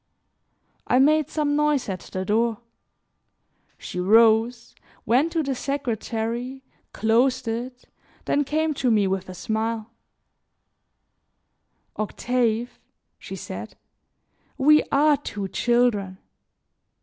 I made some noise at the door. She rose, went to the secretary, closed it, then came to me with a smile: "Octave," she said, "we are two children.